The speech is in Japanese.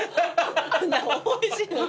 おいしいの。